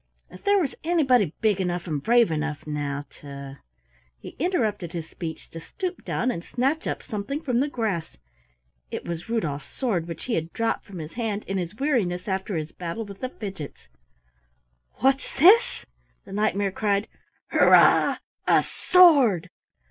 If there was anybody big enough and brave enough, now, to " He interrupted his speech to stoop down and snatch up something from the grass. It was Rudolf's sword which he had dropped from his hand in his weariness after his battle with the Fidgets. "What's this?" the Knight mare cried. "Hurrah, a sword!"